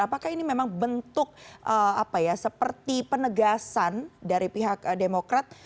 apakah ini memang bentuk seperti penegasan dari pihak demokrat